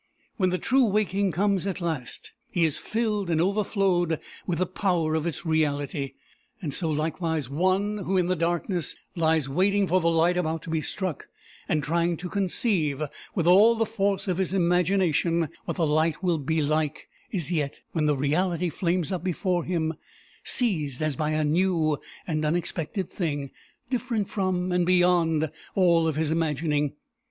When the true waking comes at last, he is filled and overflowed with the power of its reality. So, likewise, one who, in the darkness, lies waiting for the light about to be struck, and trying to conceive, with all the force of his imagination, what the light will be like, is yet, when the reality flames up before him, seized as by a new and unexpected thing, different from and beyond all his imagining.